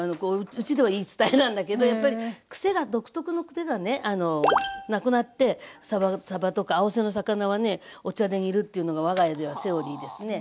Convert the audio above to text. うちでは言い伝えなんだけどやっぱりくせが独特のくせがねあのなくなってさばとか青背の魚はねお茶で煮るというのが我が家ではセオリーですね。